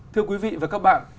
thưa quý vị và các bạn